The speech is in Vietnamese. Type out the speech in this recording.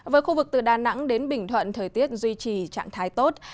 với khu vực từ đà nẵng đến bình thuận thời tiết duy trì trạng thái tốt